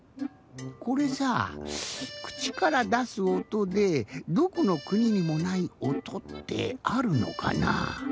これさぁくちからだすおとでどこのくににもないおとってあるのかなぁ？